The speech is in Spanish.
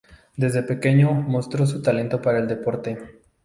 Desde pequeño mostró su talento por el deporte.